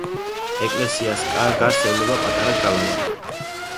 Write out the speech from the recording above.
ეკლესიას გარს ევლება პატარა გალავანი.